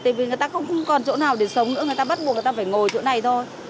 tại vì người ta không còn chỗ nào để sống nữa người ta bắt buộc người ta phải ngồi chỗ này thôi